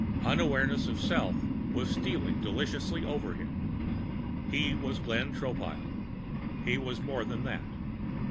Unawareness of self was stealing deliciously over him. He was Glenn Tropile. He was more than that.